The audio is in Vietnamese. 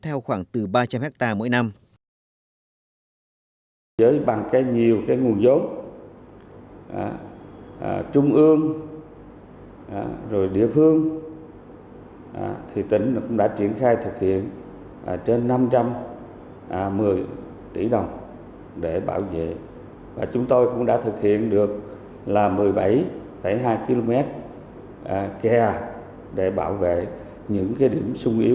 theo khoảng từ ba trăm linh ha mỗi năm